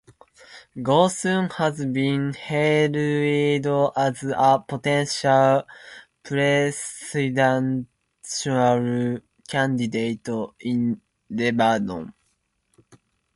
Ghosn has been hailed as a potential presidential candidate in Lebanon.